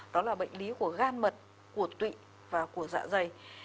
đó là bệnh lý của gan mật của tụy và của dạ dày